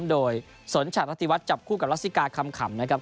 โดยสนชัดรติวัตรจับคู่กับรัสสิกาคำขำนะครับ